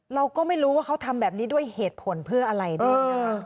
เราก็ไม่รู้ว่าเขาทำแบบนี้ด้วยเหตุผลเพื่ออะไรด้วยนะคะ